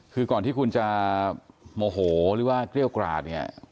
คือก่อนที่คุณจะโมโหหรือว่าเกรี้ยวกราดเนี่ย